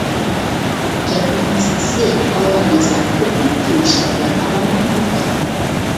گەپنىڭ قىسقىسى، ئالۋان-ياساق كۆپىيىپ تىنچلىق ۋە ئاراملىق يوقالدى.